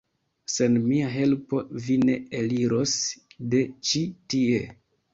sen mia helpo vi ne eliros de ĉi tie!